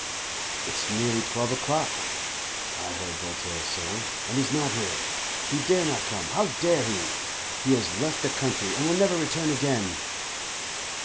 "It is nearly twelve o'clock," I heard Voltaire say, "and he's not here. He dare not come; how dare he? He has left the country, and will never return again."